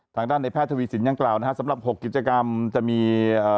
ทางด้านในแพทย์ทวีสินยังกล่าวสำหรับ๖กิจกรรมจะมี